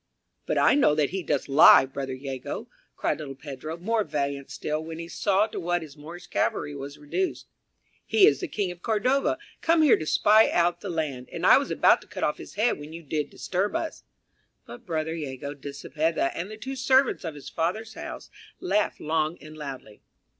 "But I know that he doth lie, Brother Jago," cried little Pedro, more valiant still when he saw to what his Moorish cavalry was reduced. "He is the King of Cordova, come here to spy out the land, and I was about to cut off his head when you did disturb us." Big brother Jago de Cepeda and the two servants of his father's house laughed long and loudly.